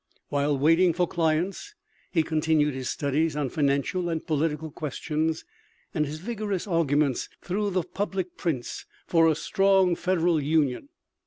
While waiting for clients he continued his studies on financial and political questions and his vigorous arguments through the public prints for a strong federal union.